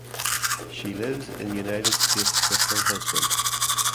She lives in United States with her husband.